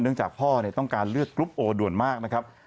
จากพ่อต้องการเลือกกรุ๊ปโอด่วนมากนะครับ